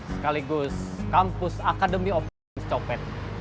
sekaligus kampus academy of cope